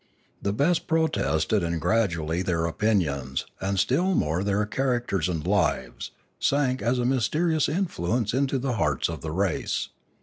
The best protested and gradually their opinions, and still more their characters and lives, sank as a mysterious influence into the hearts of the race.